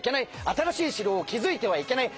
新しい城を築いてはいけない。